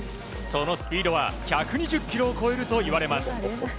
そのスピードは１２０キロを超えるといわれます。